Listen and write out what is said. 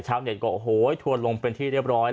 เช้าเหนียดก็โอ้โหทวนลงเป็นที่เรียบร้อย